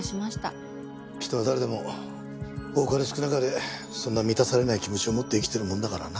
人は誰でも多かれ少なかれそんな満たされない気持ちを持って生きてるもんだからな。